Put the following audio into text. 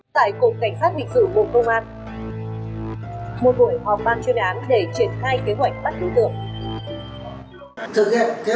tại cục cảnh sát hình sự bộ công an